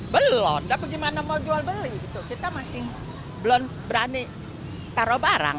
belon dah bagaimana mau jual beli kita masih belum berani taruh barang